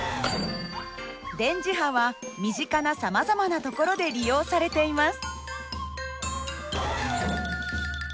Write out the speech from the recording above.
電磁波は身近なさまざまなところで利用されています。